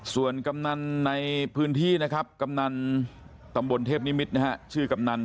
ส่วนกำนันในพื้นที่นะครับกำนันตำบลเทพนิมิตรชื่อกำนัน